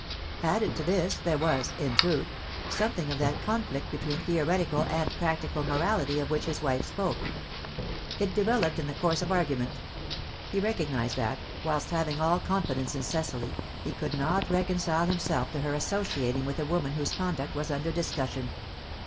Added to this, there was, in truth, something of that conflict between theoretical and practical morality of which his wife spoke. It developed in the course of argument; he recognized that, whilst having all confidence in Cecily, he could not reconcile himself to her associating with a woman whose conduct was under discussion.